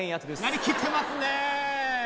なりきってますね。